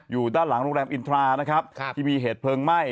อยู่ด้านหลังโรงแรมอินทรานะครับที่มีเหตุเพลิงไหม้